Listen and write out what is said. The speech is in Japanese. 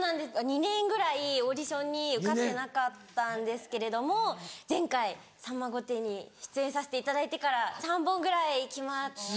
２年ぐらいオーディションに受かってなかったんですけれども前回『さんま御殿‼』に出演させていただいてから３本ぐらい決まって。